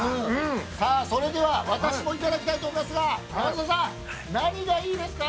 ◆さあ、それでは私もいただきたいと思いますが、山里さん、何がいいですか？